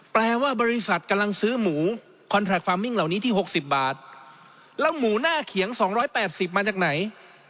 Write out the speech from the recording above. แปลว่าบริษัทกำลังซื้อหมูคอนแทรคฟาร์มมิ่งเหล่านี้ที่๖๐บาทแล้วหมูหน้าเขียง๒๘๐มาจากไหน